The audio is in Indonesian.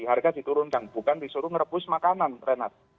harga diturunkan bukan disuruh merebus makanan renat